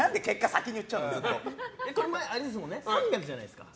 あと、３００ｇじゃないですか。